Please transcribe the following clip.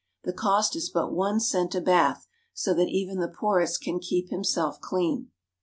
The cost is but one cent a bath, so that even the poorest can keep him self clean.